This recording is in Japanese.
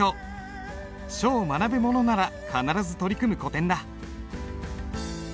書を学ぶ者なら必ず取り組む古典だ。